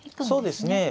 そうですね。